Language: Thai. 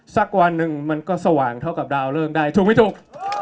สักวันหนึ่งมันก็สว่างเท่ากับดาวเลิกได้ถูกไม่ถูก